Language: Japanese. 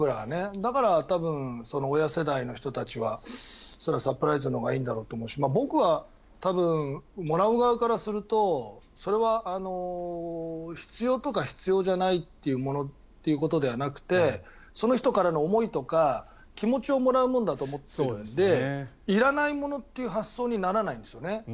だから、親世代の人たちはサプライズのほうがいいんだろうと思うし僕は多分、もらう側からするとそれは必要とか必要じゃないっていうものということではなくてその人からの思いとか、気持ちをもらうものだと思っているのでいらないものっていう発想にならないんですよね。